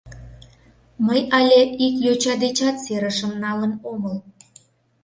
Мый але ик йоча дечат серышым налын омыл.